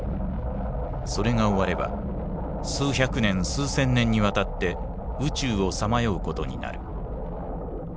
それが終われば数百年数千年にわたって宇宙をさまようことになる。